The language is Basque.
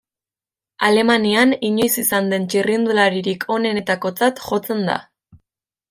Alemanian inoiz izan den txirrindularirik onenetakotzat jotzen da.